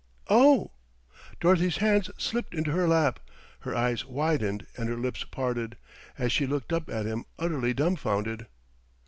"Oh!" Dorothy's hands slipped into her lap, her eyes widened and her lips parted, as she looked up at him utterly dumbfounded.